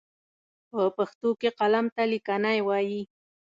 په پښتو کې قلم ته ليکنی وايي.